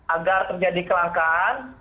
agar terjadi kelangkaan